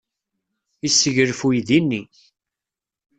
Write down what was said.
Yesseglef uydi-nni.